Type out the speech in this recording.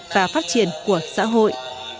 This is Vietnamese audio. và phát triển của xã hội